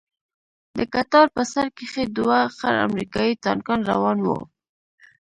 د کتار په سر کښې دوه خړ امريکايي ټانکان روان وو.